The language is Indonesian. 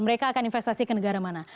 mereka akan investasi ke negara mana